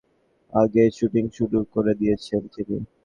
এখন দেখা যাচ্ছে নির্ধারিত সময়ের আগেই শুটিং শুরু করে দিয়েছেন তিনি।